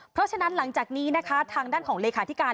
เพราะฉะนั้นหลังจากนี้นะคะทางด้านของเลขาธิการ